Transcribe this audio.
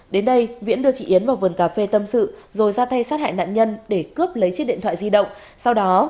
đến đây viễn đưa chị yến vào vườn cà phê tâm sự rồi ra tay sát hại nạn nhân để cướp lấy chiếc điện thoại di động sau đó trốn về tp hcm